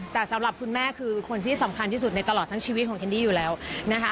แต่สำหรับคุณแม่คือคนที่สำคัญที่สุดในตลอดทั้งชีวิตของแคนดี้อยู่แล้วนะคะ